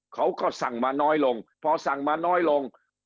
เขาก็สั่งมาน้อยลงพอสั่งมาน้อยลง